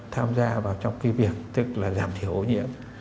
tham gia vào trong cái việc tức là giảm thiểu ô nhiễm